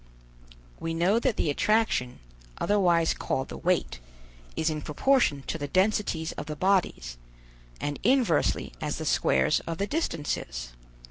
We know that the attraction, otherwise called the weight, is in proportion to the densities of the bodies, and inversely as the squares of the distances.